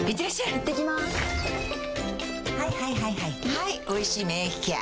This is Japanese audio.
はい「おいしい免疫ケア」